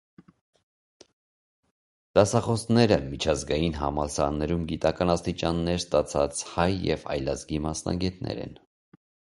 Դասախոսները միջազգային համալսարաններում գիտական աստիճաններ ստացած հայ և այլազգի մասնագետներ են։